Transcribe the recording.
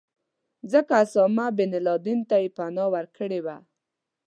ځکه اسامه بن لادن ته یې پناه ورکړې وه.